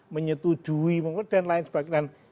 menyetujui dan lain sebagainya